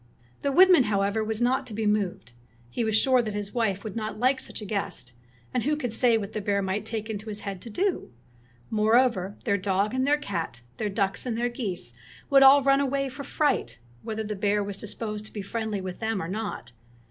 The woodman, however, was not to be moved. He was sure that his wife would not like such a guest, and who could say what the bear might take it into his head to do? Moreover, their dog and their cat, their ducks and their geese would all run away for fright, whether the bear was disposed to be friendly with them or not.